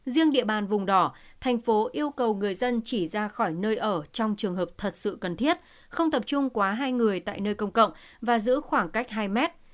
riêng địa bàn vùng đỏ thành phố yêu cầu người dân chỉ ra khỏi nơi ở trong trường hợp thật sự cần thiết không tập trung quá hai người tại nơi công cộng và giữ khoảng cách hai mét